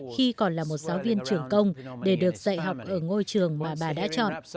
khi còn là một giáo viên trưởng công để được dạy học ở ngôi trường mà bà đã chọn